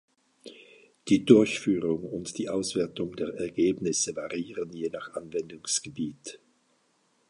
Die Durchführung und die Auswertung der Ergebnisse variieren je nach Anwendungsgebiet.